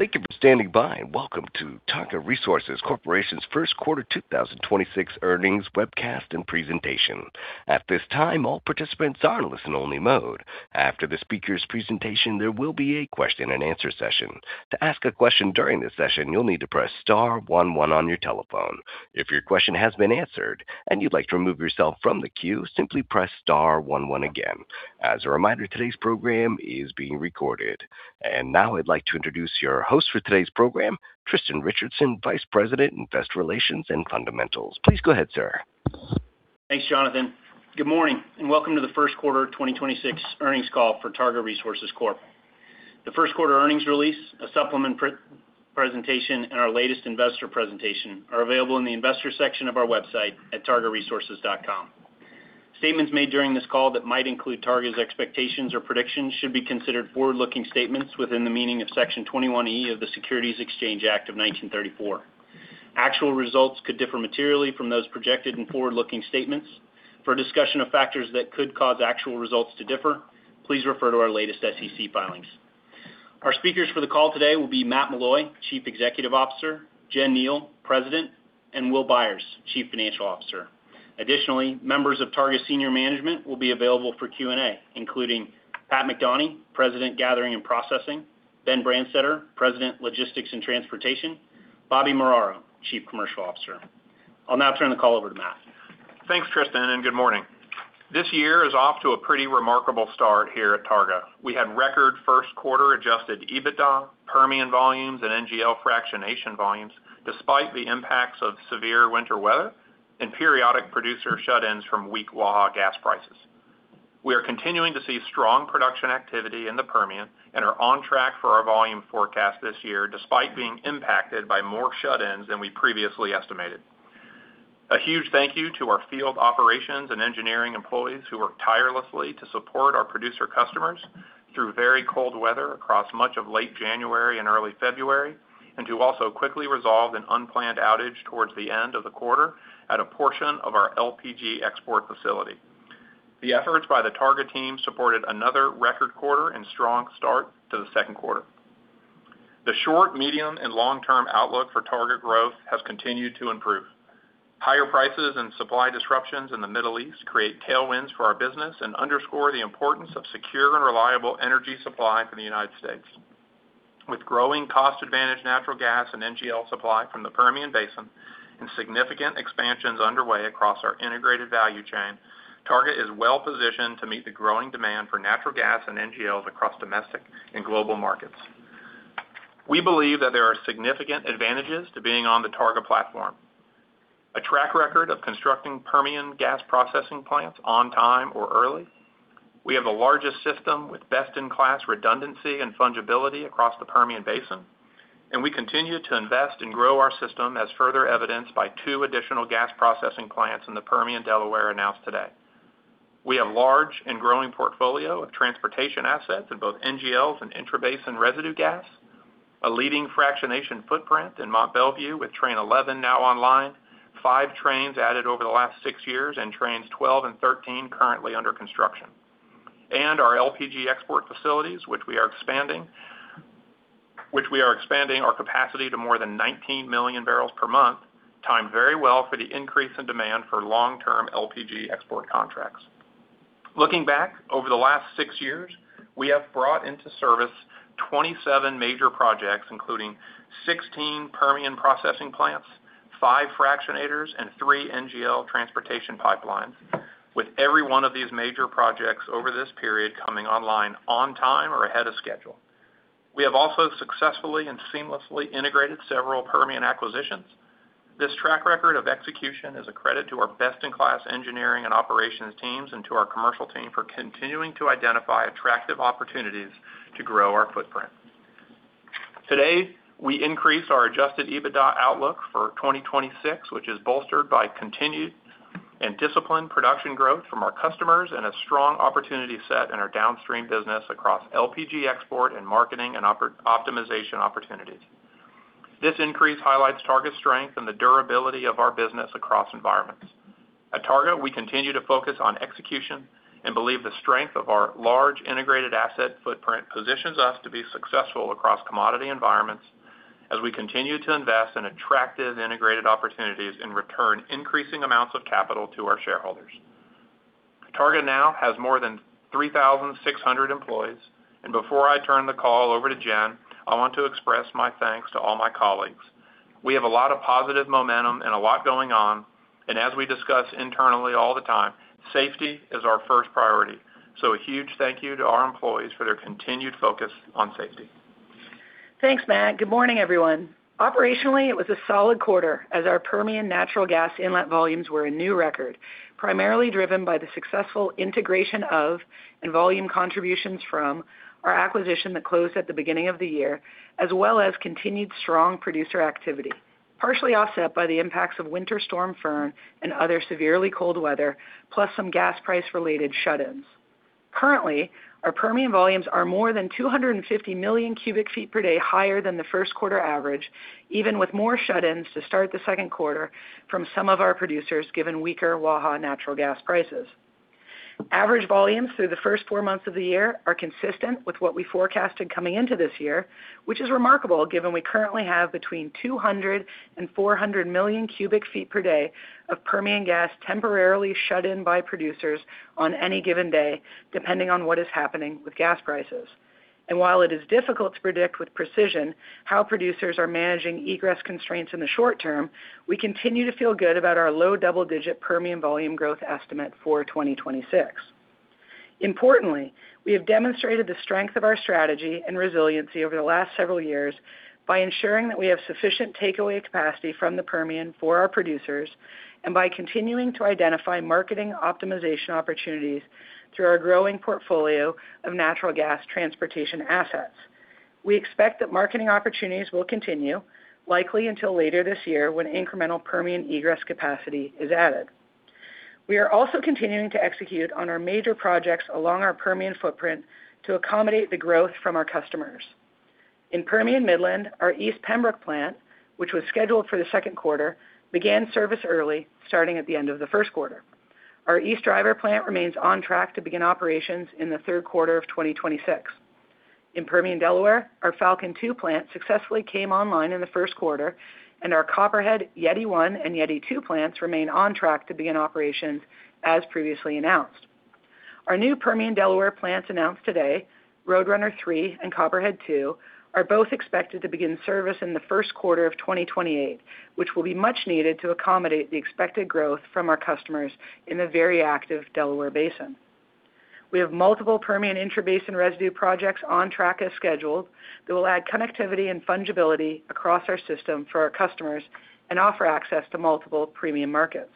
Thank you for standing by. Welcome to Targa Resources Corporation's first quarter 2026 earnings webcast and presentation. At this time, all participants are in listen only mode. After the speaker's presentation, there will be a question and answer session. To ask a question during this session, you'll need to press star one one on your telephone. If your question has been answered and you'd like to remove yourself from the queue, simply press star one one again. As a reminder, today's program is being recorded. Now I'd like to introduce your host for today's program, Tristan Richardson, Vice President, Investor Relations and Fundamentals. Please go ahead, sir. Thanks, Jonathan. Good morning, welcome to the first quarter 2026 earnings call for Targa Resources Corp. The first quarter earnings release, a supplement pre-presentation, and our latest investor presentation are available in the investor section of our website at targaresources.com. Statements made during this call that might include Targa's expectations or predictions should be considered forward-looking statements within the meaning of Section 21E of the Securities Exchange Act of 1934. Actual results could differ materially from those projected in forward-looking statements. For a discussion of factors that could cause actual results to differ, please refer to our latest SEC filings. Our speakers for the call today will be Matt Meloy, Chief Executive Officer, Jen Kneale, President, and Will Byers, Chief Financial Officer. Additionally, members of Targa senior management will be available for Q&A, including Pat McDonie, President, Gathering and Processing, Ben Branstetter, President, Logistics and Transportation, Bobby Muraro, Chief Commercial Officer. I'll now turn the call over to Matt. Thanks, Tristan, and good morning. This year is off to a pretty remarkable start here at Targa. We had record first quarter adjusted EBITDA, Permian volumes, and NGL fractionation volumes despite the impacts of severe winter weather and periodic producer shut-ins from weak Waha gas prices. We are continuing to see strong production activity in the Permian and are on track for our volume forecast this year, despite being impacted by more shut-ins than we previously estimated. A huge thank you to our field operations and engineering employees who work tirelessly to support our producer customers through very cold weather across much of late January and early February, and who also quickly resolved an unplanned outage towards the end of the quarter at a portion of our LPG export facility. The efforts by the Targa team supported another record quarter and strong start to the second quarter. The short, medium, and long-term outlook for Targa growth has continued to improve. Higher prices and supply disruptions in the Middle East create tailwinds for our business and underscore the importance of secure and reliable energy supply for the United States. With growing cost-advantaged natural gas and NGL supply from the Permian Basin and significant expansions underway across our integrated value chain, Targa is well-positioned to meet the growing demand for natural gas and NGLs across domestic and global markets. We believe that there are significant advantages to being on the Targa platform. A track record of constructing Permian gas processing plants on time or early. We have the largest system with best-in-class redundancy and fungibility across the Permian Basin, and we continue to invest and grow our system as further evidenced by two additional gas processing plants in the Permian Delaware announced today. We have large and growing portfolio of transportation assets in both NGLs and intrabasin residue gas, a leading fractionation footprint in Mont Belvieu with Train 11 now online, five trains added over the last six years, and Train 12 and Train 13 currently under construction. Our LPG export facilities, which we are expanding our capacity to more than 19 million barrels per month, timed very well for the increase in demand for long-term LPG export contracts. Looking back over the last six years, we have brought into service 27 major projects, including 16 Permian processing plants, five fractionators, and three NGL transportation pipelines, with every one of these major projects over this period coming online on time or ahead of schedule. We have also successfully and seamlessly integrated several Permian acquisitions. This track record of execution is a credit to our best-in-class engineering and operations teams and to our commercial team for continuing to identify attractive opportunities to grow our footprint. Today, we increase our adjusted EBITDA outlook for 2026, which is bolstered by continued and disciplined production growth from our customers and a strong opportunity set in our downstream business across LPG export and marketing and optimization opportunities. This increase highlights Targa's strength and the durability of our business across environments. At Targa, we continue to focus on execution and believe the strength of our large integrated asset footprint positions us to be successful across commodity environments as we continue to invest in attractive integrated opportunities and return increasing amounts of capital to our shareholders. Targa now has more than 3,600 employees. Before I turn the call over to Jen, I want to express my thanks to all my colleagues. We have a lot of positive momentum and a lot going on. As we discuss internally all the time, safety is our first priority. A huge thank you to our employees for their continued focus on safety. Thanks, Matt. Good morning, everyone. Operationally, it was a solid quarter as our Permian natural gas inlet volumes were a new record, primarily driven by the successful integration of and volume contributions from our acquisition that closed at the beginning of the year, as well as continued strong producer activity, partially offset by the impacts of Winter Storm Fern and other severely cold weather, plus some gas price-related shut-ins. Currently, our Permian volumes are more than 250 million cubic feet per day higher than the first quarter average, even with more shut-ins to start the second quarter from some of our producers given weaker Waha natural gas prices. Average volumes through the first four months of the year are consistent with what we forecasted coming into this year, which is remarkable given we currently have between 200 million and 400 million cubic feet per day of Permian gas temporarily shut in by producers on any given day, depending on what is happening with gas prices. While it is difficult to predict with precision how producers are managing egress constraints in the short term, we continue to feel good about our low double-digit Permian volume growth estimate for 2026. Importantly, we have demonstrated the strength of our strategy and resiliency over the last several years by ensuring that we have sufficient takeaway capacity from the Permian for our producers and by continuing to identify marketing optimization opportunities through our growing portfolio of natural gas transportation assets. We expect that marketing opportunities will continue likely until later this year when incremental Permian egress capacity is added. We are also continuing to execute on our major projects along our Permian footprint to accommodate the growth from our customers. In Permian Midland, our East Pembrook plant, which was scheduled for the second quarter, began service early, starting at the end of the first quarter. Our East Driver plant remains on track to begin operations in the third quarter of 2026. In Permian Delaware, our Falcon II plant successfully came online in the first quarter, and our Copperhead, Yeti I and Yeti II plants remain on track to begin operations as previously announced. Our new Permian Delaware plants announced today, Roadrunner III and Copperhead II, are both expected to begin service in the first quarter of 2028, which will be much needed to accommodate the expected growth from our customers in the very active Delaware Basin. We have multiple Permian intrabasin residue projects on track as scheduled that will add connectivity and fungibility across our system for our customers and offer access to multiple premium markets.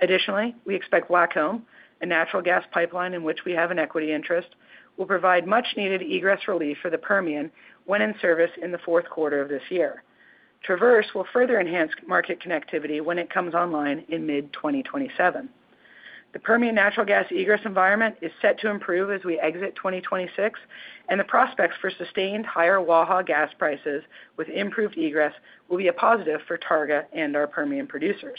Additionally, we expect WACOM, a natural gas pipeline in which we have an equity interest, will provide much-needed egress relief for the Permian when in service in the fourth quarter of this year. Traverse will further enhance market connectivity when it comes online in mid-2027. The Permian natural gas egress environment is set to improve as we exit 2026, and the prospects for sustained higher Waha gas prices with improved egress will be a positive for Targa and our Permian producers.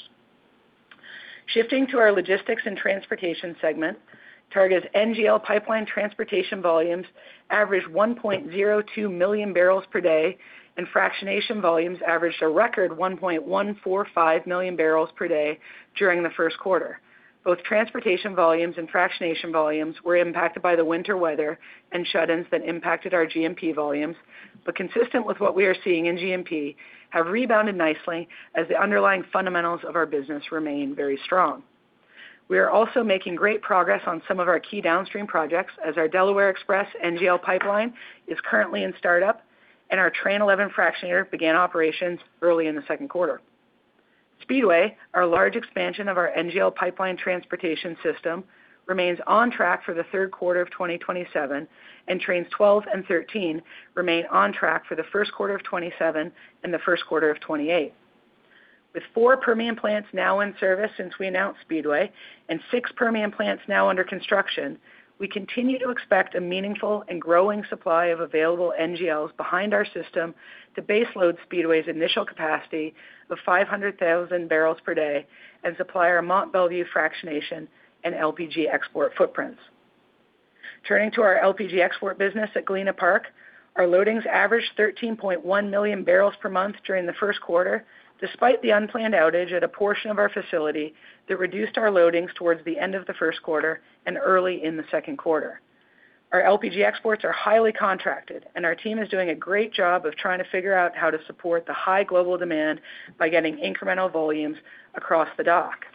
Shifting to our Logistics and Transportation segment, Targa's NGL pipeline transportation volumes averaged 1.02 million barrels per day, and fractionation volumes averaged a record 1.145 million barrels per day during the first quarter. Both transportation volumes and fractionation volumes were impacted by the winter weather and shut-ins that impacted our G&P volumes, but consistent with what we are seeing in G&P, have rebounded nicely as the underlying fundamentals of our business remain very strong. We are also making great progress on some of our key downstream projects as our Delaware Express NGL pipeline is currently in startup, and our Train 11 fractionator began operations early in the second quarter. Speedway, our large expansion of our NGL pipeline transportation system, remains on track for the third quarter of 2027, and Train 12 and Train 13 remain on track for the first quarter of 2027 and the first quarter of 2028. With 4 Permian plants now in service since we announced Speedway and six Permian plants now under construction, we continue to expect a meaningful and growing supply of available NGLs behind our system to baseload Speedway's initial capacity of 500,000 barrels per day and supply our Mont Belvieu fractionation and LPG export footprints. Turning to our LPG export business at Galena Park, our loadings averaged 13.1 million barrels per month during the first quarter, despite the unplanned outage at a portion of our facility that reduced our loadings towards the end of the first quarter and early in the second quarter. Our LPG exports are highly contracted, our team is doing a great job of trying to figure out how to support the high global demand by getting incremental volumes across the dock.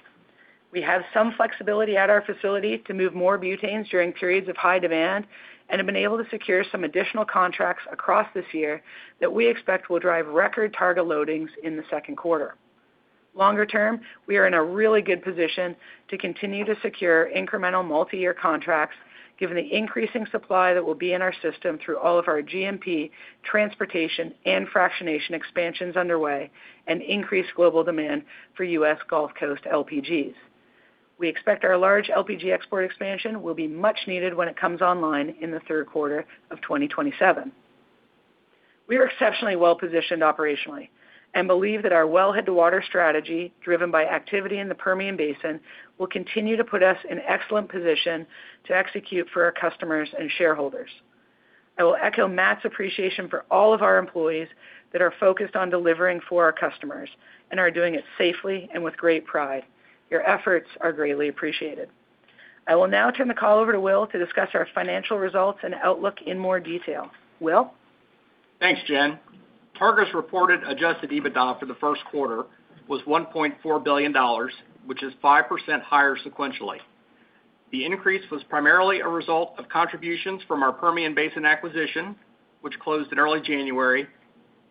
We have some flexibility at our facility to move more butanes during periods of high demand and have been able to secure some additional contracts across this year that we expect will drive record Targa loadings in the second quarter. Longer term, we are in a really good position to continue to secure incremental multiyear contracts given the increasing supply that will be in our system through all of our G&P transportation and fractionation expansions underway and increased global demand for U.S. Gulf Coast LPGs. We expect our large LPG export expansion will be much needed when it comes online in the third quarter of 2027. We are exceptionally well positioned operationally and believe that our wellhead to water strategy driven by activity in the Permian Basin will continue to put us in excellent position to execute for our customers and shareholders. I will echo Matt's appreciation for all of our employees that are focused on delivering for our customers and are doing it safely and with great pride. Your efforts are greatly appreciated. I will now turn the call over to Will to discuss our financial results and outlook in more detail. Will? Thanks, Jen. Targa's reported adjusted EBITDA for the first quarter was $1.4 billion, which is 5% higher sequentially. The increase was primarily a result of contributions from our Permian Basin acquisition, which closed in early January,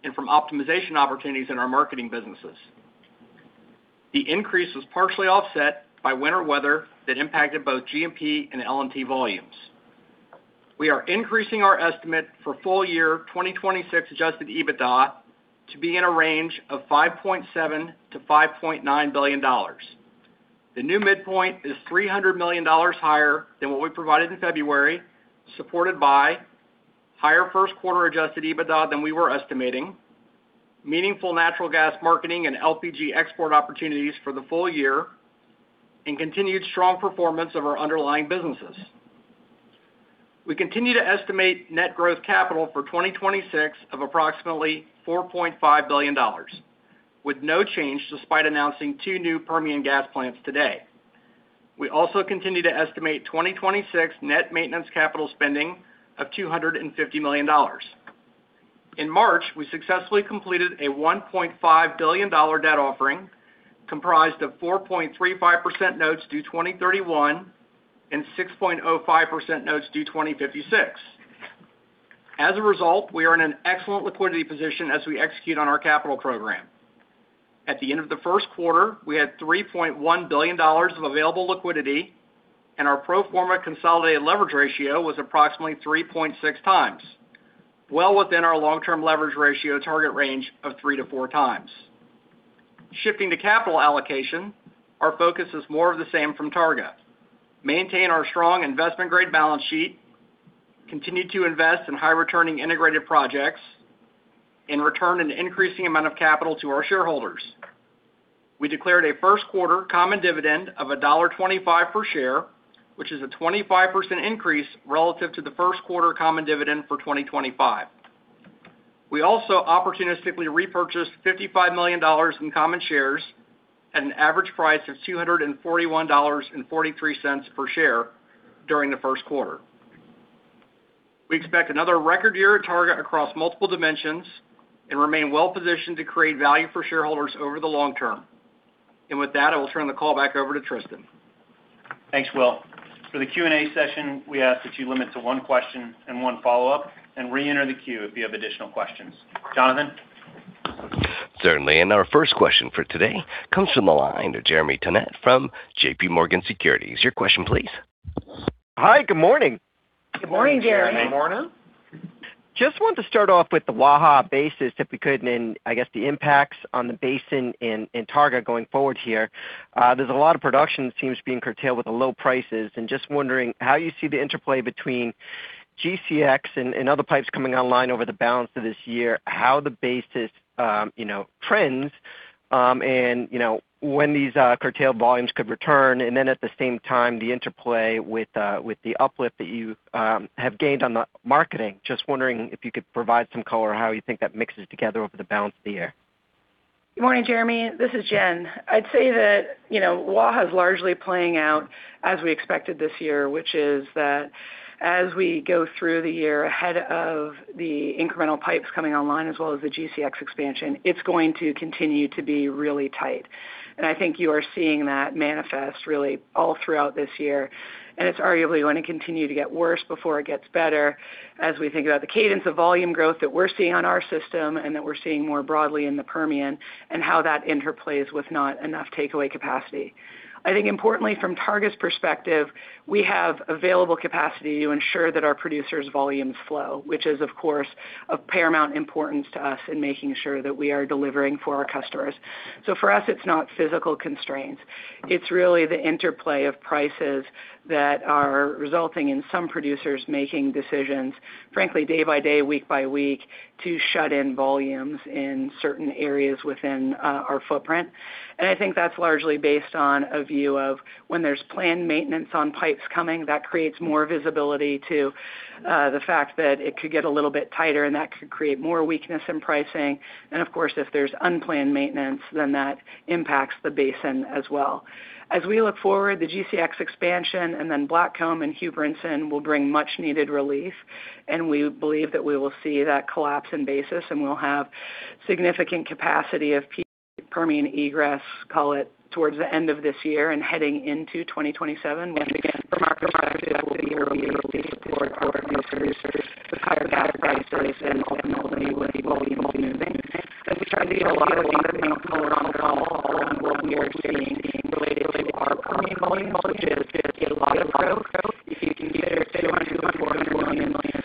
and from optimization opportunities in our marketing businesses. The increase was partially offset by winter weather that impacted both G&P and L&T volumes. We are increasing our estimate for full year 2026 adjusted EBITDA to be in a range of $5.7 billion-$5.9 billion. The new midpoint is $300 million higher than what we provided in February, supported by higher first quarter adjusted EBITDA than we were estimating. Meaningful natural gas marketing and LPG export opportunities for the full year and continued strong performance of our underlying businesses. We continue to estimate net growth capital for 2026 of approximately $4.5 billion, with no change despite announcing two new Permian gas plants today. We also continue to estimate 2026 net maintenance capital spending of $250 million. In March, we successfully completed a $1.5 billion debt offering comprised of 4.35% notes due 2031 and 6.05% notes due 2056. As a result, we are in an excellent liquidity position as we execute on our capital program. At the end of the first quarter, we had $3.1 billion of available liquidity, and our pro forma consolidated leverage ratio was approximately 3.6 times, well within our long-term leverage ratio target range of three to four times. Shifting to capital allocation, our focus is more of the same from Targa. Maintain our strong investment-grade balance sheet, continue to invest in high returning integrated projects, and return an increasing amount of capital to our shareholders. We declared a first quarter common dividend of $1.25 per share, which is a 25% increase relative to the first quarter common dividend for 2025. We also opportunistically repurchased $55 million in common shares at an average price of $241.43 per share during the first quarter. We expect another record year at Targa across multiple dimensions and remain well positioned to create value for shareholders over the long term. With that, I will turn the call back over to Tristan. Thanks, Will. For the Q&A session, we ask that you limit to one question and one follow-up and reenter the queue if you have additional questions. Jonathan? Certainly. Our first question for today comes from the line of Jeremy Tonet from J.P. Morgan Securities. Your question, please. Hi. Good morning. Good morning, Jeremy. Good morning. Just want to start off with the Waha basis, if we could, and I guess the impacts on the basin in Targa going forward here. There's a lot of production that seems being curtailed with the low prices. Just wondering how you see the interplay between GCX and other pipes coming online over the balance of this year, how the basis trends, and when these curtailed volumes could return. At the same time, the interplay with the uplift that you have gained on the marketing. Just wondering if you could provide some color on how you think that mixes together over the balance of the year. Good morning, Jeremy. This is Jen. I'd say that, you know, Waha is largely playing out as we expected this year, which is that as we go through the year ahead of the incremental pipes coming online, as well as the GCX expansion, it's going to continue to be really tight. I think you are seeing that manifest really all throughout this year. It's arguably going to continue to get worse before it gets better as we think about the cadence of volume growth that we're seeing on our system and that we're seeing more broadly in the Permian and how that interplays with not enough takeaway capacity. I think importantly, from Targa's perspective, we have available capacity to ensure that our producers' volumes flow, which is, of course, of paramount importance to us in making sure that we are delivering for our customers. For us, it's not physical constraints. It's really the interplay of prices that are resulting in some producers making decisions, frankly, day by day, week by week, to shut in volumes in certain areas within our footprint. I think that's largely based on a view of when there's planned maintenance on pipes coming, that creates more visibility to the fact that it could get a little bit tighter, and that could create more weakness in pricing. Of course, if there's unplanned maintenance, then that impacts the basin as well. As we look forward, the GCX expansion and then Blackcomb and Hugh Brinson will bring much needed relief, and we believe that we will see that collapse in basis, and we'll have significant capacity of Permian egress, call it towards the end of this year and heading into 2027. From our perspective, we will be able to support our producers with higher gather price rates and ultimately with volume moving. As we try to give a lot of color on the call around what we are seeing related to our Permian volumes, we do see a lot of growth. If you compare 2024 and 2025, even a few days shut in, I think a plus volume currently to 2025. Even a few days shut in the first quarter that was impacted by weather and turn trending,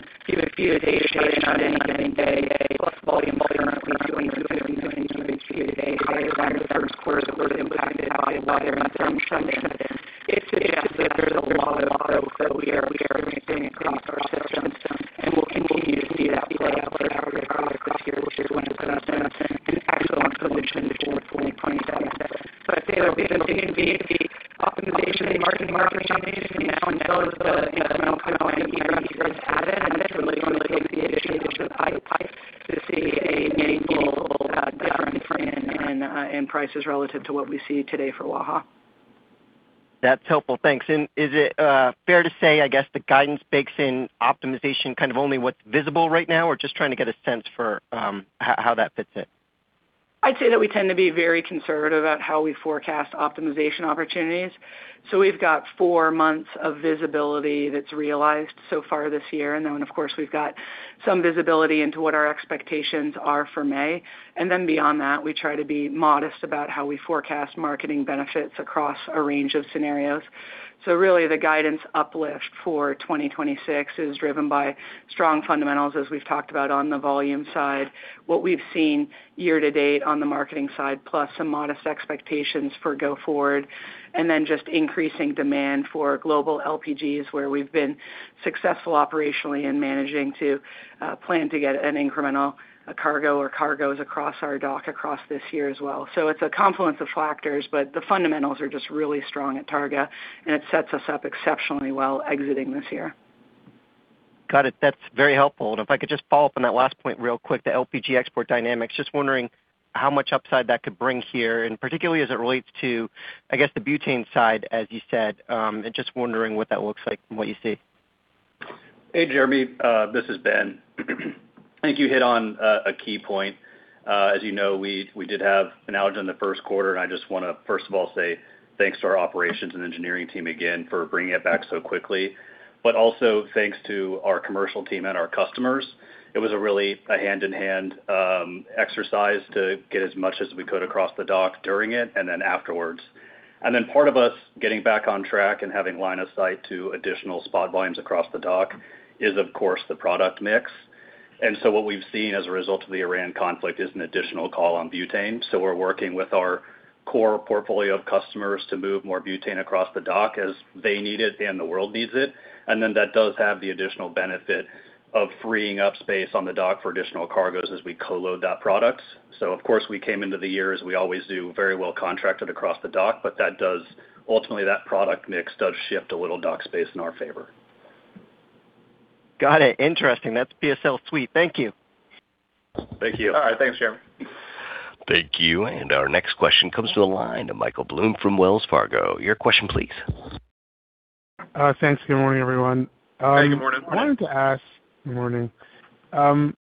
it suggests that there's a lot of growth that we are expecting across our systems, and we'll continue to see that play out for the rest of this year, which is going to put us in an excellent position for 2027. I'd say there'll be some continued optimization and marketing opportunities from now until the incremental Permian egress gets added, and I certainly want to take the addition of those pipes to see a meaningful difference in in prices relative to what we see today for Waha. That's helpful. Thanks. Is it fair to say, I guess, the guidance bakes in optimization kind of only what's visible right now, or just trying to get a sense for how that fits in? I'd say that we tend to be very conservative about how we forecast optimization opportunities. We've got four months of visibility that's realized so far this year. Of course, we've got some visibility into what our expectations are for May. Beyond that, we try to be modest about how we forecast marketing benefits across a range of scenarios. Really the guidance uplift for 2026 is driven by strong fundamentals as we've talked about on the volume side, what we've seen year to date on the marketing side, plus some modest expectations for go forward, and then just increasing demand for global LPGs where we've been successful operationally in managing to plan to get an incremental cargo or cargoes across our dock across this year as well. It's a confluence of factors, but the fundamentals are just really strong at Targa, and it sets us up exceptionally well exiting this year. Got it. That's very helpful. If I could just follow up on that last point real quick, the LPG export dynamics. Just wondering how much upside that could bring here, and particularly as it relates to, I guess, the butane side, as you said. Just wondering what that looks like from what you see. Hey, Jeremy, this is Ben. I think you hit on a key point. As you know, we did have an outage in the first quarter. I just wanna, first of all, say thanks to our operations and engineering team again for bringing it back so quickly. Also thanks to our commercial team and our customers. It was a really a hand-in-hand exercise to get as much as we could across the dock during it and then afterwards. Part of us getting back on track and having line of sight to additional spot volumes across the dock is, of course, the product mix. What we've seen as a result of the Iran conflict is an additional call on butane. We're working with our core portfolio of customers to move more butane across the dock as they need it and the world needs it. That does have the additional benefit of freeing up space on the dock for additional cargoes as we co-load that product. Of course, we came into the year as we always do, very well contracted across the dock, but ultimately, that product mix does shift a little dock space in our favor. Got it. Interesting. That's BSL sweet. Thank you. Thank you. All right. Thanks, Jeremy. Thank you. Our next question comes to the line to Michael Blum from Wells Fargo. Your question, please. Thanks. Good morning, everyone. Good morning. I wanted to ask. Good morning.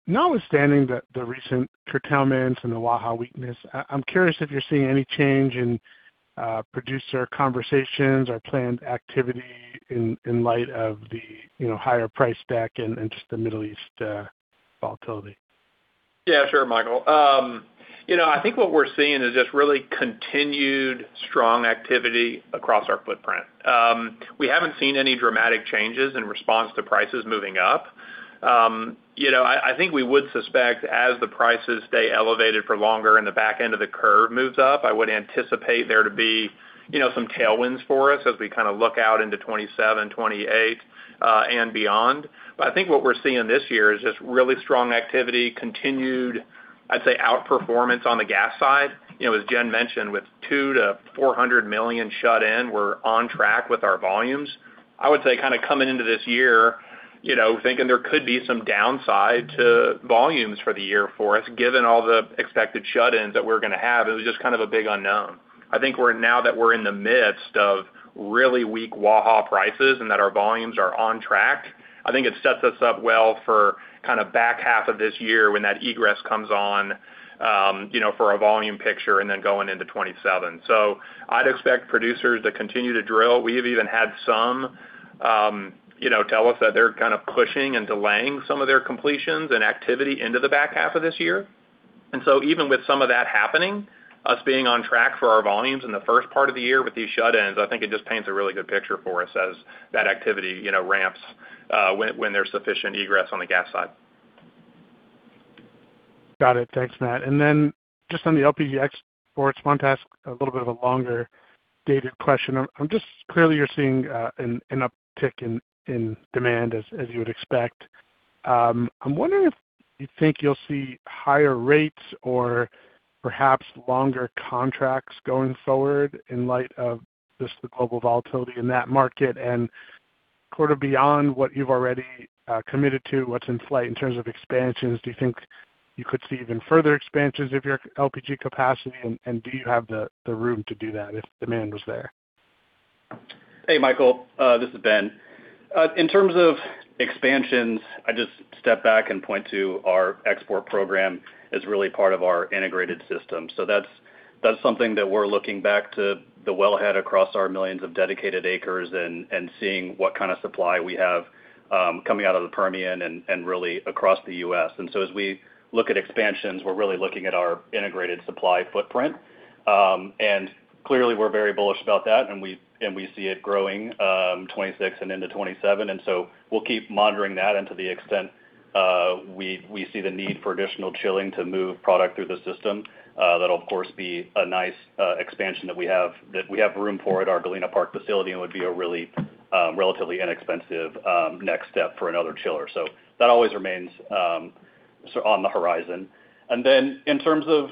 Notwithstanding the recent curtailments and the Waha weakness, I'm curious if you're seeing any change in producer conversations or planned activity in light of the, you know, higher price back and just the Middle East volatility? Yeah, sure, Michael. You know, I think what we're seeing is just really continued strong activity across our footprint. We haven't seen any dramatic changes in response to prices moving up. You know, I think we would suspect as the prices stay elevated for longer and the back end of the curve moves up, I would anticipate there to be, you know, some tailwinds for us as we kind of look out into 2027, 2028 and beyond. I think what we're seeing this year is just really strong activity continued, I'd say, outperformance on the gas side. You know, as Jen mentioned, with $200 million to $400 million shut in, we're on track with our volumes. I would say kind of coming into this year, you know, thinking there could be some downside to volumes for the year for us, given all the expected shut-ins that we're going to have, it was just kind of a big unknown. I think now that we're in the midst of really weak Waha prices and that our volumes are on track, I think it sets us up well for kind of back half of this year when that egress comes on, you know, for a volume picture and then going into 2027. I'd expect producers to continue to drill. We've even had some, you know, tell us that they're kind of pushing and delaying some of their completions and activity into the back half of this year. Even with some of that happening, us being on track for our volumes in the first part of the year with these shut-ins, I think it just paints a really good picture for us as that activity, you know, ramps, when there's sufficient egress on the gas side. Got it. Thanks, Matt. Then just on the LPG exports, wanted to ask a little bit of a longer-dated question. I'm just clearly you're seeing an uptick in demand as you would expect. I'm wondering if you think you'll see higher rates or perhaps longer contracts going forward in light of just the global volatility in that market. Sort of beyond what you've already committed to, what's in flight in terms of expansions, do you think you could see even further expansions of your LPG capacity, and do you have the room to do that if demand was there? Hey, Michael, this is Ben. In terms of expansions, I just step back and point to our export program as really part of our integrated system. That's something that we're looking back to the wellhead across our millions of dedicated acres and seeing what kind of supply we have coming out of the Permian and really across the U.S. As we look at expansions, we're really looking at our integrated supply footprint. Clearly, we're very bullish about that, and we see it growing 2026 and into 2027. We'll keep monitoring that and to the extent we see the need for additional chilling to move product through the system, that will of course be a nice expansion that we have, that we have room for at our Galena Park facility and would be a really relatively inexpensive next step for another chiller. That always remains on the horizon. In terms of,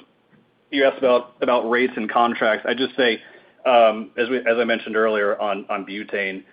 you asked about rates and contracts. I would just say, as I mentioned earlier on butane,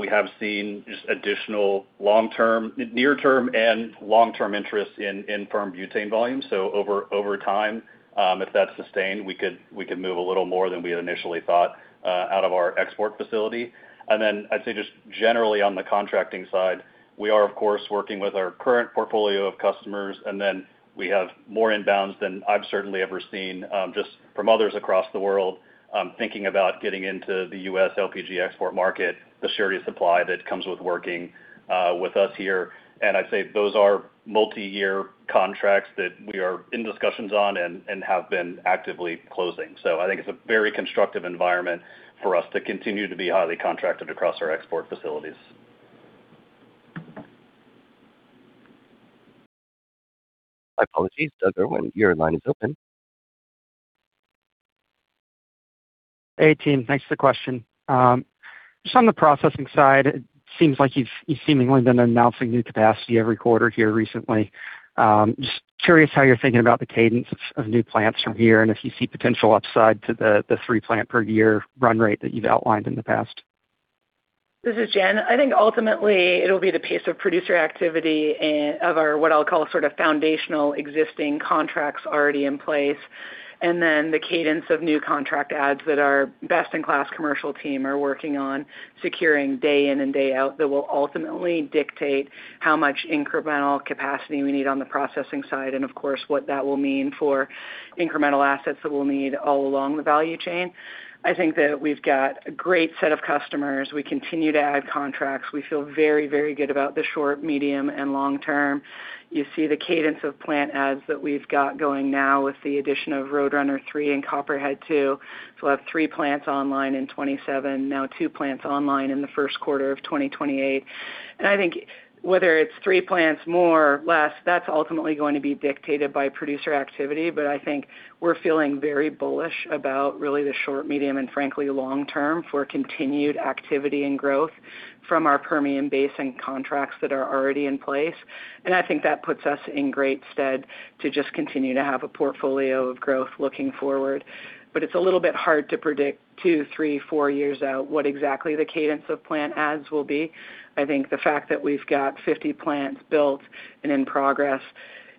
we have seen just additional near-term and long-term interest in firm butane volumes. Over time, if that is sustained, we could move a little more than we had initially thought out of our export facility. I'd say just generally on the contracting side, we are of course, working with our current portfolio of customers, then we have more inbounds than I've certainly ever seen, just from others across the world, thinking about getting into the U.S. LPG export market, the surety of supply that comes with working with us here. Those are multi-year contracts that we are in discussions on and have been actively closing. It's a very constructive environment for us to continue to be highly contracted across our export facilities. My apologies. Doug Irwin, your line is open. Hey, team. Thanks for the question. just on the processing side, it seems like you've seemingly been announcing new capacity every quarter here recently. Just curious how you're thinking about the cadence of new plants from here, and if you see potential upside to the three plant per year run rate that you've outlined in the past. This is Jen. I think ultimately it'll be the pace of producer activity and of our, what I'll call sort of foundational existing contracts already in place, and then the cadence of new contract adds that our best in class commercial team are working on securing day in and day out that will ultimately dictate how much incremental capacity we need on the processing side, and of course, what that will mean for incremental assets that we'll need all along the value chain. I think that we've got a great set of customers. We continue to add contracts. We feel very, very good about the short, medium, and long term. You see the cadence of plant adds that we've got going now with the addition of Roadrunner III and Copperhead II. We'll have three plants online in 2027, now two plants online in the first quarter of 2028. I think whether it's three plants more, less, that's ultimately going to be dictated by producer activity. I think we're feeling very bullish about really the short, medium, and frankly long term for continued activity and growth from our Permian Basin contracts that are already in place. I think that puts us in great stead to just continue to have a portfolio of growth looking forward. It's a little bit hard to predict two, three, four years out what exactly the cadence of plant adds will be. I think the fact that we've got 50 plants built and in progress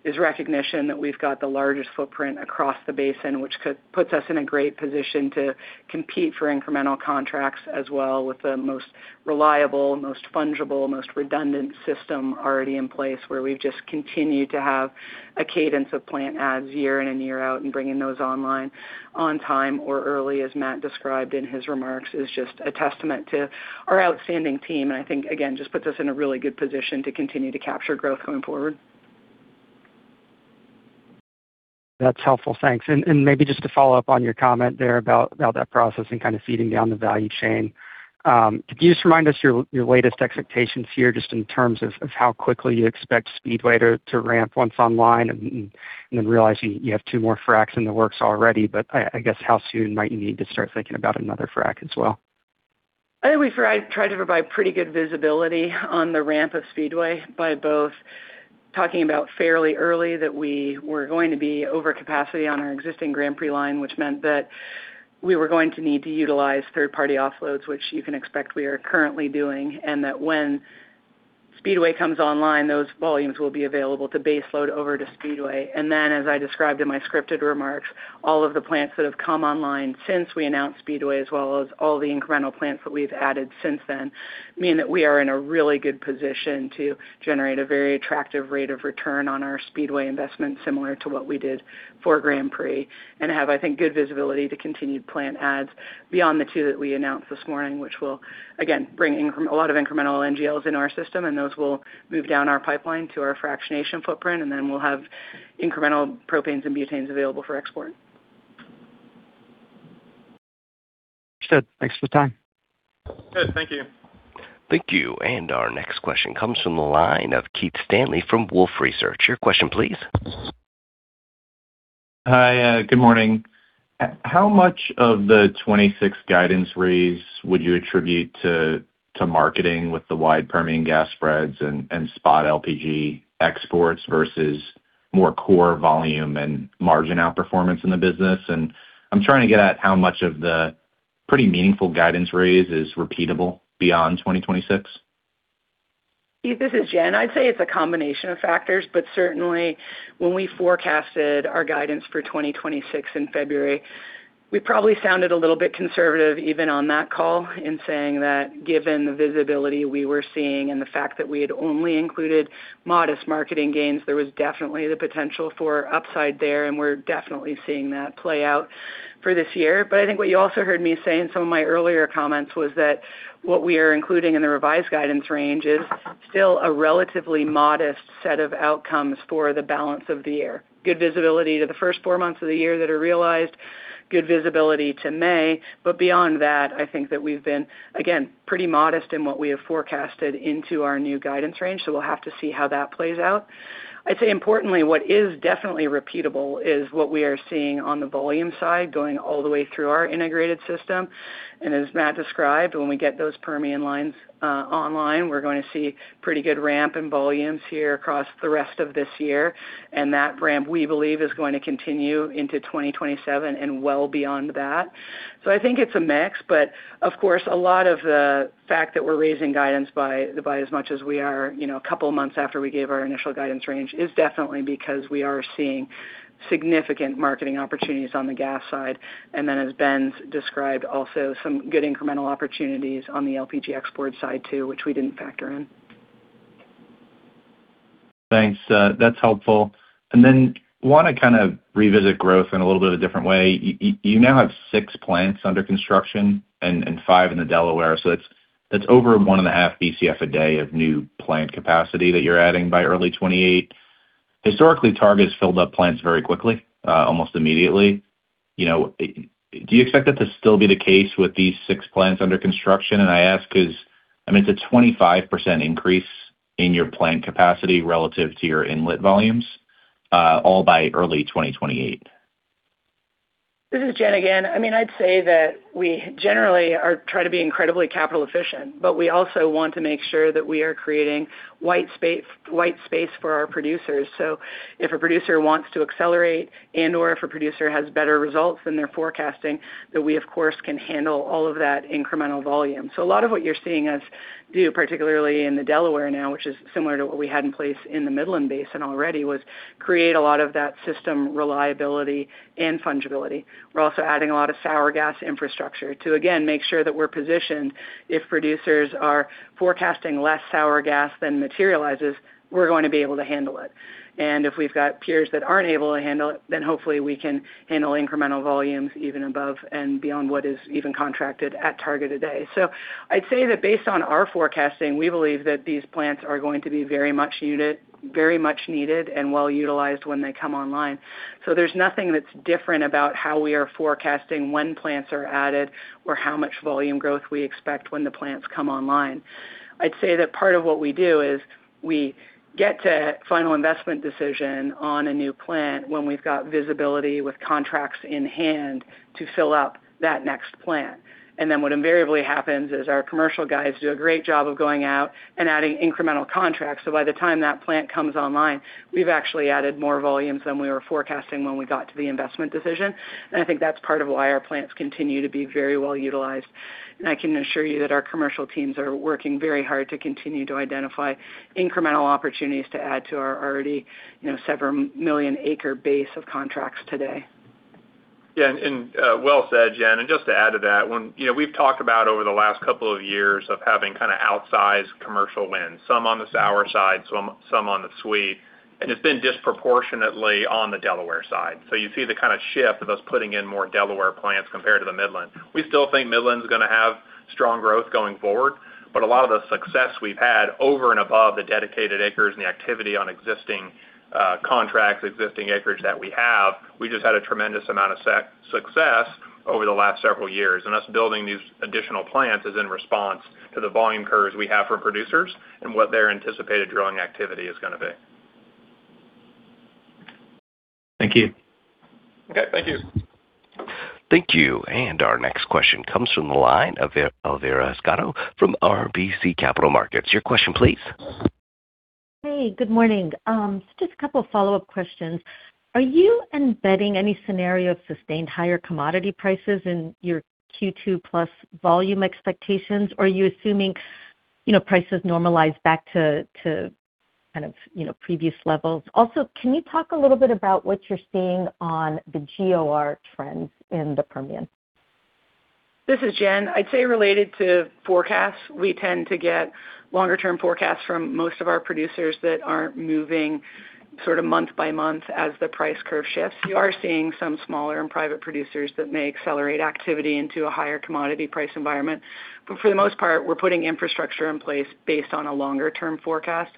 is recognition that we've got the largest footprint across the basin, which co-puts us in a great position to compete for incremental contracts as well with the most reliable, most fungible, most redundant system already in place, where we've just continued to have a cadence of plant adds year in and year out, and bringing those online on time or early, as Matt described in his remarks, is just a testament to our outstanding team. I think, again, just puts us in a really good position to continue to capture growth going forward. That's helpful. Thanks. Maybe just to follow up on your comment there about that process and kind of feeding down the value chain. Could you just remind us your latest expectations here just in terms of how quickly you expect Speedway to ramp once online and then realizing you have two more fracs in the works already. I guess how soon might you need to start thinking about another frac as well? I think we try to provide pretty good visibility on the ramp of Speedway by both talking about fairly early that we were going to be over capacity on our existing Grand Prix line, which meant that we were going to need to utilize third-party offloads, which you can expect we are currently doing. That when Speedway comes online, those volumes will be available to base load over to Speedway. As I described in my scripted remarks, all of the plants that have come online since we announced Speedway, as well as all the incremental plants that we've added since then, mean that we are in a really good position to generate a very attractive rate of return on our Speedway investment, similar to what we did for Grand Prix, and have, I think, good visibility to continued plant adds beyond the two that we announced this morning, which will again bring a lot of incremental NGLs in our system, and those will move down our pipeline to our fractionation footprint, and then we'll have incremental propanes and butanes available for export. Understood. Thanks for the time. Good. Thank you. Thank you. Our next question comes from the line of Keith Stanley from Wolfe Research. Your question, please. Hi. Good morning. How much of the 2026 guidance raise would you attribute to marketing with the wide Permian gas spreads and spot LPG exports versus more core volume and margin outperformance in the business? I'm trying to get at how much of the pretty meaningful guidance raise is repeatable beyond 2026. Keith, this is Jen. I'd say it's a combination of factors, but certainly when we forecasted our guidance for 2026 in February, we probably sounded a little bit conservative even on that call in saying that given the visibility we were seeing and the fact that we had only included modest marketing gains, there was definitely the potential for upside there. We're definitely seeing that play out for this year. I think what you also heard me say in some of my earlier comments was that what we are including in the revised guidance range is still a relatively modest set of outcomes for the balance of the year. Good visibility to the first four months of the year that are realized, good visibility to May. Beyond that, I think that we've been, again, pretty modest in what we have forecasted into our new guidance range. We'll have to see how that plays out. I'd say importantly, what is definitely repeatable is what we are seeing on the volume side going all the way through our integrated system. As Matt described, when we get those Permian lines online, we're going to see pretty good ramp in volumes here across the rest of this year. That ramp, we believe, is going to continue into 2027 and well beyond that. I think it's a mix, but of course, a lot of the fact that we're raising guidance by as much as we are, you know, a couple of months after we gave our initial guidance range is definitely because we are seeing significant marketing opportunities on the gas side. As Ben's described, also some good incremental opportunities on the LPG export side too, which we didn't factor in. Thanks. That's helpful. Wanna kind of revisit growth in a little bit of a different way. You now have six plants under construction and five in the Delaware. It's over 1.5 BCF a day of new plant capacity that you're adding by early 2028. Historically, Targa's filled up plants very quickly, almost immediately. You know, do you expect that to still be the case with these six plants under construction? I ask 'cause, I mean, it's a 25% increase in your plant capacity relative to your inlet volumes, all by early 2028. This is Jen again. I mean, I'd say that we generally are trying to be incredibly capital efficient, but we also want to make sure that we are creating white space for our producers. If a producer wants to accelerate and/or if a producer has better results than they're forecasting, that we of course, can handle all of that incremental volume. A lot of what you're seeing us do, particularly in the Delaware now, which is similar to what we had in place in the Midland Basin already was create a lot of that system reliability and fungibility. We're also adding a lot of sour gas infrastructure to again, make sure that we're positioned. If producers are forecasting less sour gas than materializes, we're going to be able to handle it. If we've got peers that aren't able to handle it, then hopefully we can handle incremental volumes even above and beyond what is even contracted at Targa today. I'd say that based on our forecasting, we believe that these plants are going to be very much needed and well utilized when they come online. There's nothing that's different about how we are forecasting when plants are added or how much volume growth we expect when the plants come online. I'd say that part of what we do is we get to final investment decision on a new plant when we've got visibility with contracts in hand to fill up that next plant. Then what invariably happens is our commercial guys do a great job of going out and adding incremental contracts. By the time that plant comes online, we've actually added more volumes than we were forecasting when we got to the investment decision. I think that's part of why our plants continue to be very well utilized. I can assure you that our commercial teams are working very hard to continue to identify incremental opportunities to add to our already, you know, several million acre base of contracts today. Yeah, well said, Jen. Just to add to that one, you know, we've talked about over the last couple of years of having kinda outsized commercial wins, some on the sour side, some on the sweet, and it's been disproportionately on the Delaware side. You see the kinda shift of us putting in more Delaware plants compared to the Midland. We still think Midland is gonna have strong growth going forward, but a lot of the success we've had over and above the dedicated acres and the activity on existing contracts, existing acreage that we have, we just had a tremendous amount of success over the last several years. Us building these additional plants is in response to the volume curves we have from producers and what their anticipated drilling activity is gonna be. Thank you. Okay. Thank you. Thank you. Our next question comes from the line of Elvira Scotto from RBC Capital Markets. Your question, please. Hey, good morning. Just a couple of follow-up questions. Are you embedding any scenario of sustained higher commodity prices in your Q2 plus volume expectations? Or are you assuming, you know, prices normalize back to kind of, you know, previous levels? Also, can you talk a little bit about what you're seeing on the GOR trends in the Permian? This is Jen. I'd say related to forecasts, we tend to get longer term forecasts from most of our producers that aren't moving sort of month by month as the price curve shifts. You are seeing some smaller and private producers that may accelerate activity into a higher commodity price environment. For the most part, we're putting infrastructure in place based on a longer term forecast.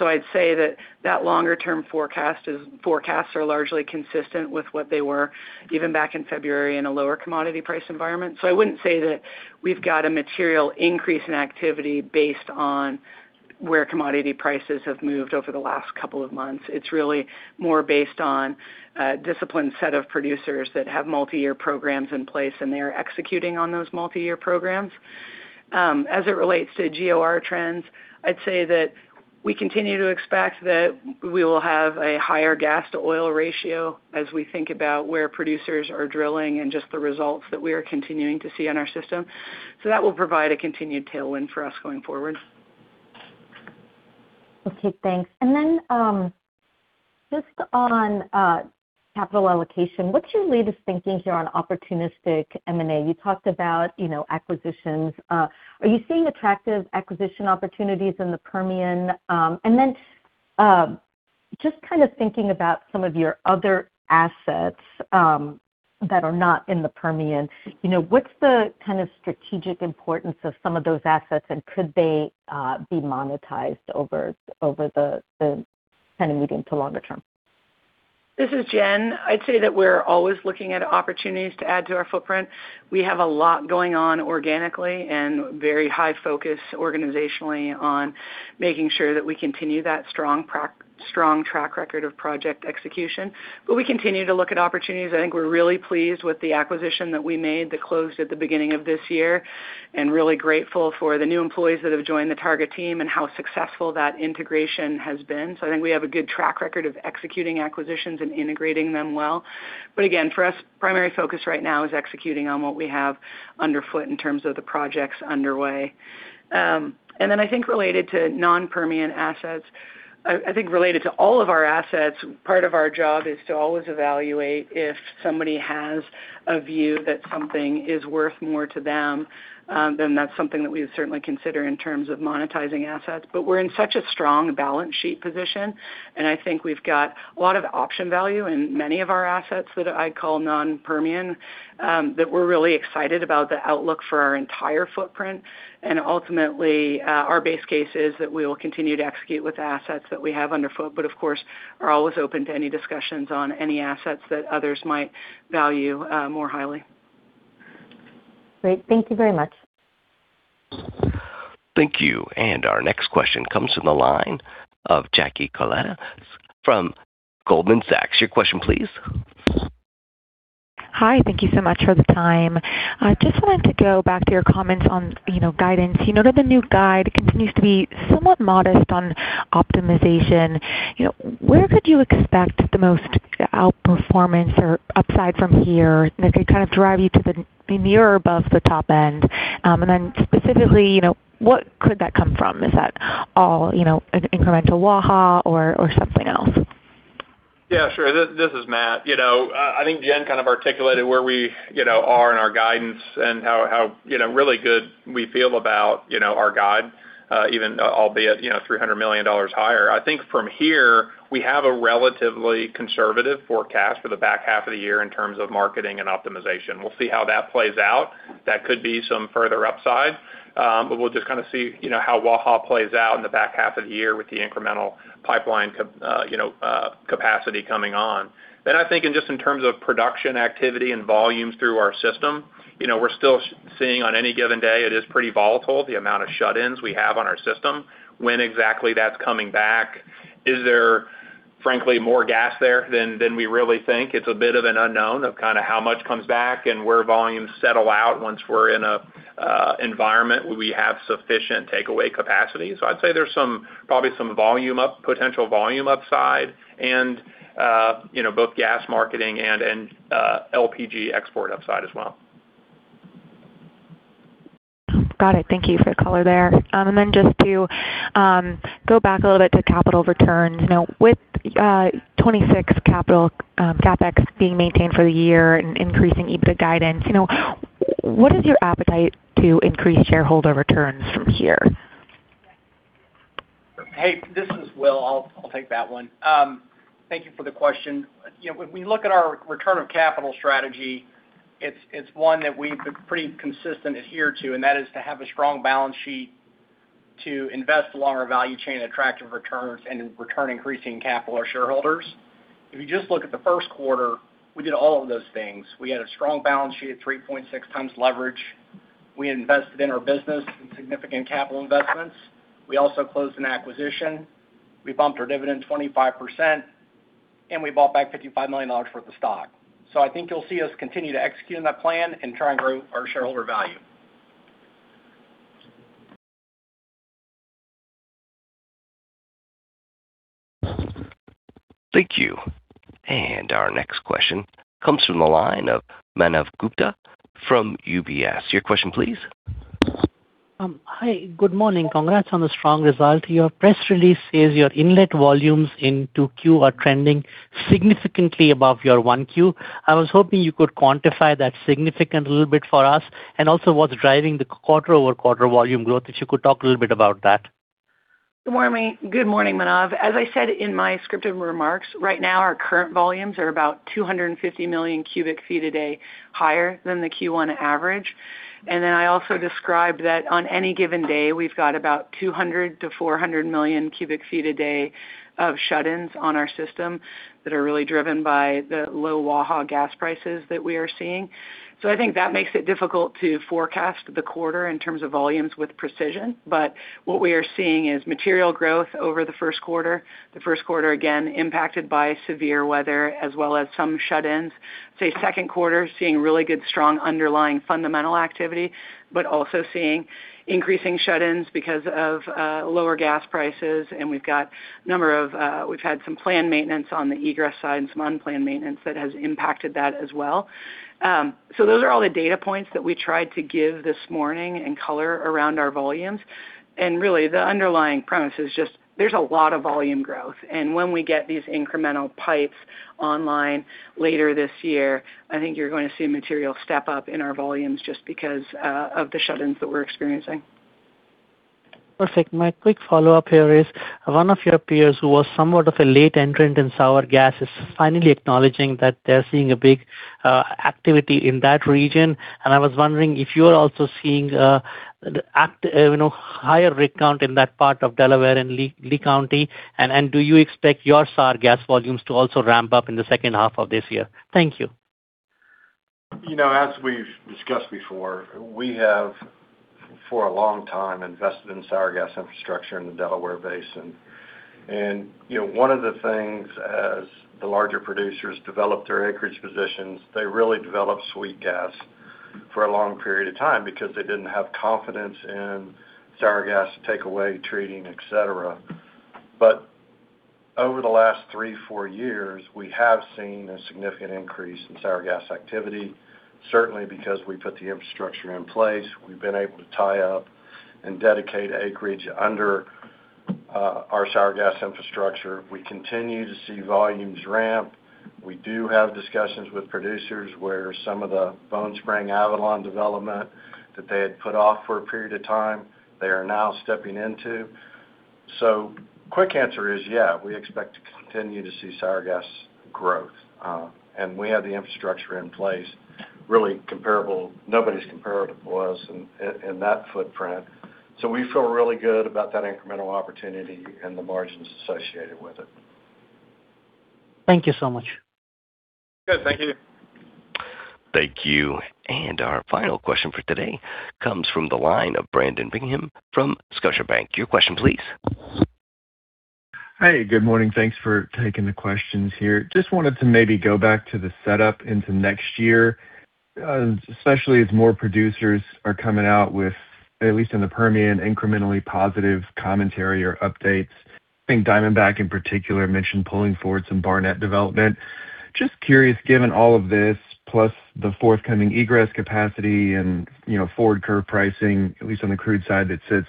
I'd say that that longer term forecasts are largely consistent with what they were even back in February in a lower commodity price environment. I wouldn't say that we've got a material increase in activity based on where commodity prices have moved over the last couple of months. It's really more based on a disciplined set of producers that have multi-year programs in place, and they are executing on those multi-year programs. As it relates to GOR trends, I'd say that we continue to expect that we will have a higher gas to oil ratio as we think about where producers are drilling and just the results that we are continuing to see on our system. That will provide a continued tailwind for us going forward. Okay, thanks. Just on capital allocation, what's your latest thinking here on opportunistic M&A? You talked about, you know, acquisitions. Are you seeing attractive acquisition opportunities in the Permian? Just kind of thinking about some of your other assets that are not in the Permian. You know, what's the kind of strategic importance of some of those assets, and could they be monetized over the kind of medium to longer term? This is Jen. I'd say that we're always looking at opportunities to add to our footprint. We have a lot going on organically and very high focus organizationally on making sure that we continue that strong track record of project execution. We continue to look at opportunities. I think we're really pleased with the acquisition that we made that closed at the beginning of this year, and really grateful for the new employees that have joined the Targa team and how successful that integration has been. I think we have a good track record of executing acquisitions and integrating them well. Again, for us, primary focus right now is executing on what we have underfoot in terms of the projects underway. Then I think related to non-Permian assets, I think related to all of our assets, part of our job is to always evaluate if somebody has a view that something is worth more to them, then that's something that we certainly consider in terms of monetizing assets. We're in such a strong balance sheet position, and I think we've got a lot of option value in many of our assets that I'd call non-Permian, that we're really excited about the outlook for our entire footprint. Ultimately, our base case is that we will continue to execute with assets that we have underfoot, but of course, are always open to any discussions on any assets that others might value more highly. Great. Thank you very much. Thank you. Our next question comes from the line of Jacqueline Koletas from Goldman Sachs. Your question, please. Hi. Thank you so much for the time. I just wanted to go back to your comments on, you know, guidance. You noted the new guide continues to be somewhat modest on optimization. You know, where could you expect the most outperformance or upside from here that could kind of drive you to be near or above the top end? Specifically, you know, what could that come from? Is that all, you know, an incremental Waha or something else? Yes, sure. This is Matt. You know, I think Jen kind of articulated where we, you know, are in our guidance and how, you know, really good we feel about, you know, our guide, even albeit, you know, $300 million higher. I think from here, we have a relatively conservative forecast for the back half of the year in terms of marketing and optimization. We'll see how that plays out. That could be some further upside. We'll just kind of see, you know, how Waha plays out in the back half of the year with the incremental pipeline capacity coming on. I think in just in terms of production activity and volumes through our system, you know, we're still seeing on any given day, it is pretty volatile, the amount of shut-ins we have on our system. When exactly that's coming back, is there, frankly, more gas there than we really think? It's a bit of an unknown of kind of how much comes back and where volumes settle out once we're in an environment where we have sufficient takeaway capacity. I'd say there's probably some potential volume upside, you know, both gas marketing and LPG export upside as well. Got it. Thank you for the color there. Just to go back a little bit to capital returns. You know, with 2026 capital, CapEx being maintained for the year and increasing EBITDA guidance, you know, what is your appetite to increase shareholder returns from here? Hey, this is Will. I'll take that one. Thank you for the question. You know, when we look at our return of capital strategy, it's one that we've been pretty consistent adhere to, that is to have a strong balance sheet to invest along our value chain, attractive returns and return increasing capital our shareholders. If you just look at the first quarter, we did all of those things. We had a strong balance sheet, 3.6 times leverage. We invested in our business in significant capital investments. We also closed an acquisition. We bumped our dividend 25%, and we bought back $55 million worth of stock. I think you'll see us continue to execute on that plan and try and grow our shareholder value. Thank you. Our next question comes from the line of Manav Gupta from UBS. Your question, please. Hi. Good morning. Congrats on the strong result. Your press release says your inlet volumes in 2Q are trending significantly above your 1Q. I was hoping you could quantify that significant a little bit for us. What's driving the quarter-over-quarter volume growth, if you could talk a little bit about that. Good morning. Good morning, Manav. As I said in my scripted remarks, right now, our current volumes are about 250 million cubic feet a day higher than the Q1 average. I also described that on any given day, we've got about 200-400 million cubic feet a day of shut-ins on our system that are really driven by the low Waha gas prices that we are seeing. I think that makes it difficult to forecast the quarter in terms of volumes with precision. What we are seeing is material growth over the first quarter. The first quarter, again, impacted by severe weather as well as some shut-ins. Say second quarter, seeing really good, strong underlying fundamental activity, but also seeing increasing shut-ins because of lower gas prices. We've got a number of, we've had some planned maintenance on the egress side and some unplanned maintenance that has impacted that as well. Those are all the data points that we tried to give this morning and color around our volumes. Really, the underlying premise is just there's a lot of volume growth. When we get these incremental pipes online later this year, I think you're going to see a material step up in our volumes just because of the shut-ins that we're experiencing. Perfect. My quick follow-up here is, one of your peers who was somewhat of a late entrant in sour gas is finally acknowledging that they're seeing a big activity in that region. I was wondering if you're also seeing, you know, higher rig count in that part of Delaware and Lea County. Do you expect your sour gas volumes to also ramp up in the second half of this year? Thank you. You know, as we've discussed before, we have, for a long time, invested in sour gas infrastructure in the Delaware Basin. You know, one of the things as the larger producers developed their acreage positions, they really developed sweet gas for a long period of time because they didn't have confidence in sour gas takeaway, treating, et cetera. Over the last three, four years, we have seen a significant increase in sour gas activity, certainly because we put the infrastructure in place. We've been able to tie up and dedicate acreage under our sour gas infrastructure. We continue to see volumes ramp. We do have discussions with producers where some of the Bone Spring and Avalon development that they had put off for a period of time, they are now stepping into. Quick answer is, yeah, we expect to continue to see sour gas growth. We have the infrastructure in place nobody's comparable to us in that footprint. We feel really good about that incremental opportunity and the margins associated with it. Thank you so much. Good. Thank you. Thank you. Our final question for today comes from the line of Brandon Bingham from Scotiabank. Your question please. Hi, good morning. Thanks for taking the questions here. Just wanted to maybe go back to the setup into next year, especially as more producers are coming out with, at least in the Permian, incrementally positive commentary or updates. I think Diamondback in particular mentioned pulling forward some Barnett development. Just curious, given all of this, plus the forthcoming egress capacity and, you know, forward curve pricing, at least on the crude side, that sits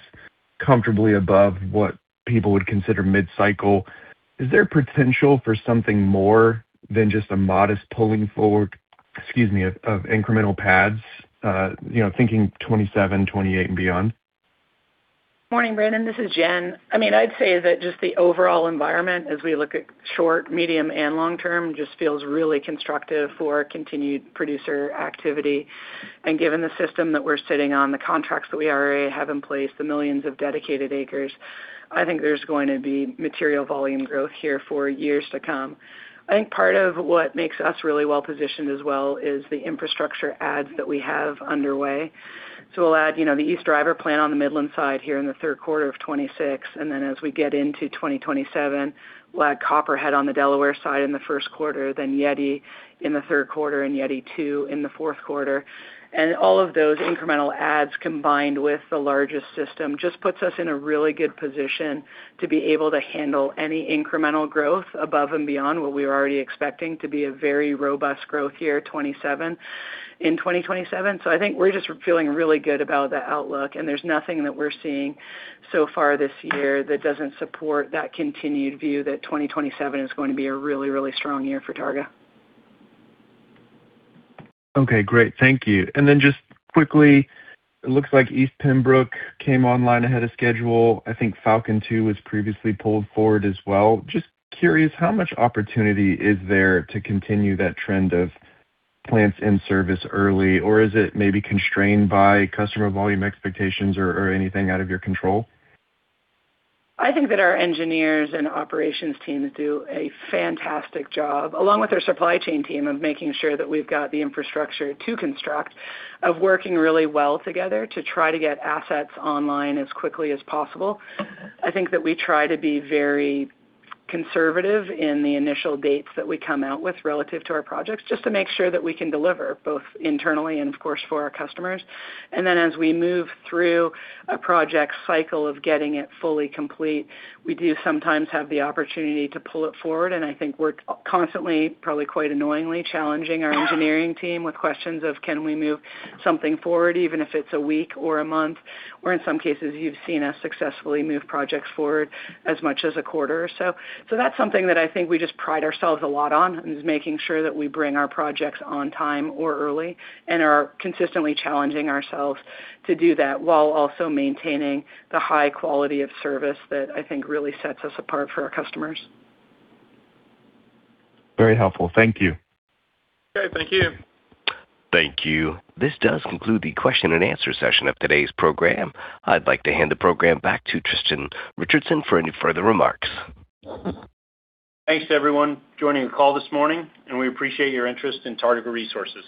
comfortably above what people would consider mid-cycle, is there potential for something more than just a modest pulling forward, excuse me, of incremental pads? You know, thinking 2027, 2028 and beyond. Morning, Brandon. This is Jen. I mean, I'd say that just the overall environment as we look at short, medium, and long-term just feels really constructive for continued producer activity. Given the system that we're sitting on, the contracts that we already have in place, the millions of dedicated acres, I think there's going to be material volume growth here for years to come. I think part of what makes us really well-positioned as well is the infrastructure adds that we have underway. We'll add, you know, the East Driver plant on the Midland side here in the third quarter of 2026. As we get into 2027, we'll add Copperhead on the Delaware side in the first quarter, then Yeti in the third quarter and Yeti II in the fourth quarter. All of those incremental adds, combined with the largest system, just puts us in a really good position to be able to handle any incremental growth above and beyond what we are already expecting to be a very robust growth year, 2027, in 2027. I think we're just feeling really good about the outlook, and there's nothing that we're seeing so far this year that doesn't support that continued view that 2027 is going to be a really, really strong year for Targa. Okay, great. Thank you. Just quickly, it looks like East Pembrook came online ahead of schedule. I think Falcon II was previously pulled forward as well. Just curious, how much opportunity is there to continue that trend of plants in service early? Or is it maybe constrained by customer volume expectations or anything out of your control? I think that our engineers and operations teams do a fantastic job, along with our supply chain team of making sure that we've got the infrastructure to construct, of working really well together to try to get assets online as quickly as possible. I think that we try to be very conservative in the initial dates that we come out with relative to our projects, just to make sure that we can deliver both internally and, of course, for our customers. As we move through a project cycle of getting it fully complete, we do sometimes have the opportunity to pull it forward. I think we're constantly, probably quite annoyingly, challenging our engineering team with questions of can we move something forward, even if it's a week or a month, or in some cases, you've seen us successfully move projects forward as much as a quarter or so. That's something that I think we just pride ourselves a lot on, is making sure that we bring our projects on time or early and are consistently challenging ourselves to do that while also maintaining the high quality of service that I think really sets us apart for our customers. Very helpful. Thank you. Okay. Thank you. Thank you. This does conclude the question and answer session of today's program. I'd like to hand the program back to Tristan Richardson for any further remarks. Thanks to everyone joining the call this morning, and we appreciate your interest in Targa Resources.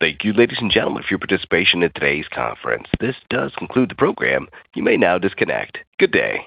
Thank you, ladies and gentlemen, for your participation in today's conference. This does conclude the program. You may now disconnect. Good day.